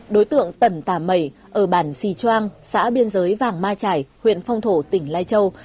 đối tượng tẩn tà mẩy ở bản xì choang xã biên giới vàng ma trải huyện phong thổ tỉnh lai châu